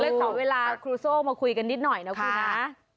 ขอเวลาครูโซ่มาคุยกันนิดหน่อยนะครูนะ